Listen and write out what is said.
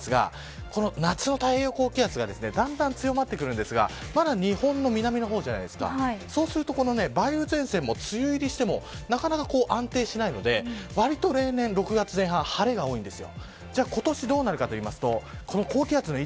例年の６月ですが、夏の太平洋高気圧がだんだん強まってくるんですがまだ日本の南の方じゃないですかそうすると梅雨前線も梅雨入りしてもなかなか安定しないのでわりと例年６月前半晴れが多いんです。